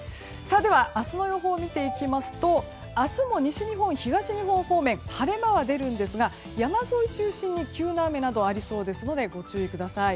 では明日の予報を見ていきますと明日も西日本、東日本方面晴れ間は出るんですが山沿い中心に急な雨などありそうですのでご注意ください。